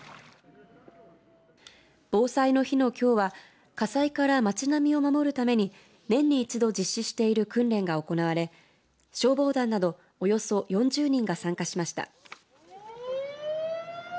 防災の日のきょうは火災から町並みを守るために年に一度実施している訓練が行われ消防団などおよそ４０人が参加しました。